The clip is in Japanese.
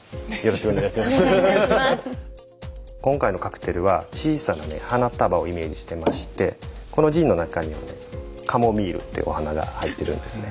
今回のカクテルは小さな花束をイメージしてましてこのジンの中にはねカモミールっていうお花が入ってるんですね。